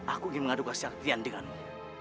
aku ingin mengadukan syakfian denganmu